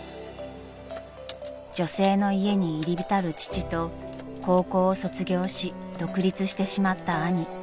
［女性の家に入り浸る父と高校を卒業し独立してしまった兄］